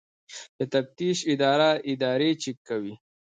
د تفتیش اداره ادارې چک کوي